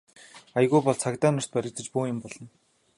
Аягүй бол цагдаа нарт баригдаж бөөн юм болно.